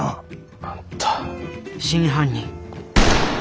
あんた。